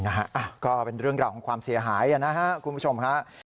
อ่าก็เป็นเรื่องราวของความเสียหายคุณผู้ชมค่ะ